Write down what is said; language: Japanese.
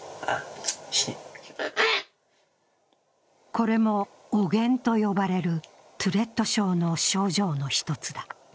これも汚言と呼ばれるトゥレット症の症状の１つだ。